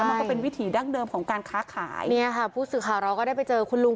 มันก็เป็นวิถีดั้งเดิมของการค้าขายเนี่ยค่ะผู้สื่อข่าวเราก็ได้ไปเจอคุณลุง